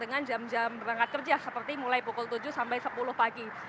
dengan jam jam berangkat kerja seperti mulai pukul tujuh sampai sepuluh pagi